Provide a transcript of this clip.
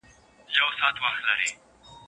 استاد د شاګرد په وړتیا باور لري.